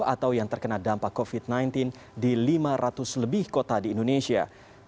atau yang terkena dampak covid sembilan belas di lima ratus lebih kota di indonesia